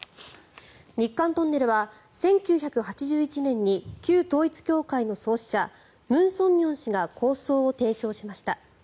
日韓トンネルは１９８１年に旧統一教会の創始者ムン・ソンミョン氏が構想を提唱しました。